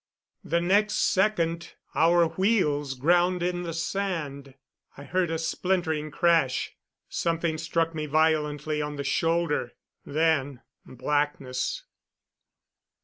The next second our wheels ground in the sand. I heard a splintering crash; something struck me violently on the shoulder; then blackness.